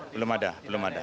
belum ada belum ada